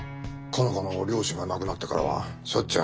佳奈花の両親が亡くなってからはしょっちゅうな。